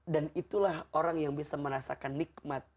dan itulah orang yang bisa merasakan nikmat